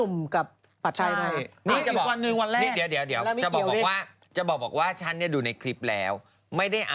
อุ๊มค่ะคนนี้นะมันเหมือนงูเห่า